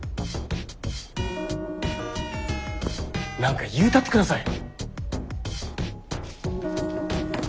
何か言うたって下さい。